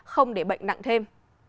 không để bệnh nặng thêm